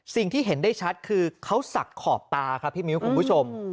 สิ่งที่เห็นได้ชัดคือเขาศักดิ์ขอบตาครับพี่มิ้วคุณผู้ชม